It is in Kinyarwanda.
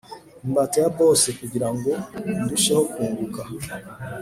imbata ya bose kugira ngo ndusheho kunguka